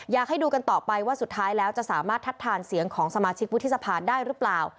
อยากให้ดูกันต่อไปว่าสุดท้ายแล้วจะสามารถทัดทานเสียงของสมาชิกวุฒิสภาได้หรือเปล่า